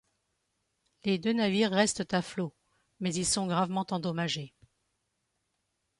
Les deux navires restent à flot, mais ils sont gravement endommagés.